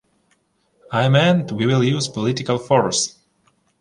I meant we will use political force.